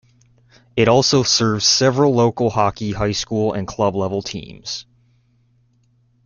It also serves several local hockey high school and club level teams.